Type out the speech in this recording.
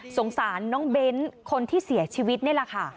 สงสารน้องเบ้นคนที่เสียชีวิตนี่แหละค่ะ